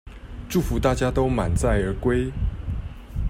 祝福大家都滿載而歸